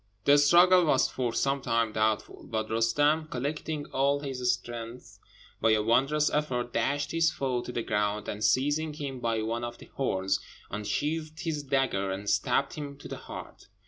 The struggle was for some time doubtful; but Roostem, collecting all his strength, by a wondrous effort dashed his foe to the ground, and seizing him by one of the horns, unsheathed his dagger and stabbed him to the heart.